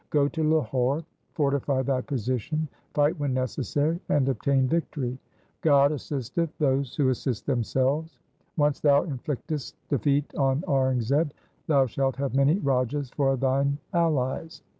Go to Lahore, fortify thy position, fight when necessary, and obtain victory. God assisteth those who assist themselves. Once thou inflictest defeat on Aurangzeb, thou shalt have many Rajas for thine allies.